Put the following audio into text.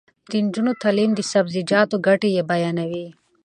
د نجونو تعلیم د سبزیجاتو ګټې بیانوي.